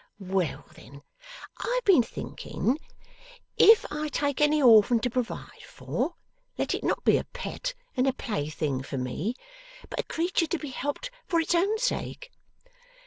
Well then; I have been thinking if I take any orphan to provide for, let it not be a pet and a plaything for me, but a creature to be helped for its own sake.